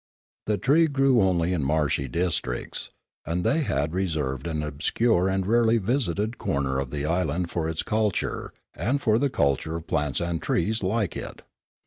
The tree grew only in marshy districts, and they had reserved an obscure and rarely visited corner of the island for its culture and for the culture of plants and trees like it.